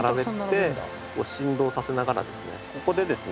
ここでですね。